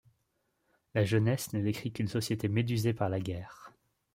La jeunesse ne décrit qu'une société médusé par la guerre.